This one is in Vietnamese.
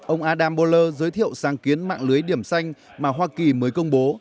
ông adam boller giới thiệu sáng kiến mạng lưới điểm xanh mà hoa kỳ mới công bố